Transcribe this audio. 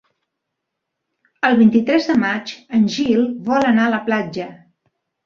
El vint-i-tres de maig en Gil vol anar a la platja.